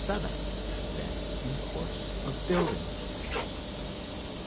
7," then in course of building.